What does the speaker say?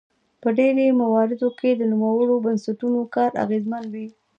په ډیری مواردو کې د نوموړو بنسټونو کار اغیزمن وي.